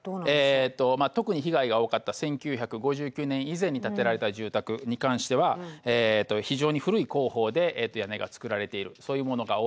えっと特に被害が多かった１９５９年以前に建てられた住宅に関しては非常に古い工法で屋根が造られているそういうものが多いです。